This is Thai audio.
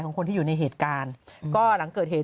ของคนที่อยู่ในเหตุการณ์ก็หลังเกิดเหตุ